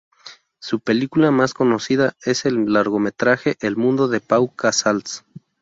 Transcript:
Su película más conocida es el largometraje "El mundo de Pau Casals".